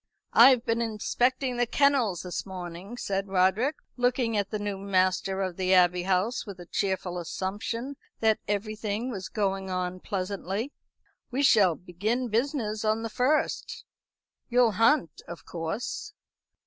"I've been inspecting the kennels this morning," said Roderick, looking at the new master of the Abbey House with a cheerful assumption that everything was going on pleasantly. "We shall begin business on the first. You'll hunt, of course?"